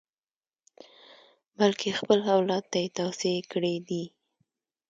بلکې خپل اولاد ته یې توصیې کړې دي.